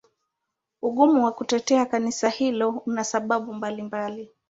Ugumu wa kutetea Kanisa hilo una sababu mbalimbali.